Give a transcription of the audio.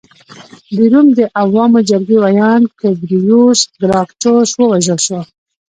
د روم د عوامو جرګې ویاند تیبریوس ګراکچوس ووژل شو